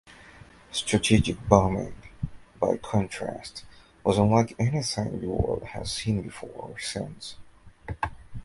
Strategic bombing, by contrast, was unlike anything the world has seen before or since.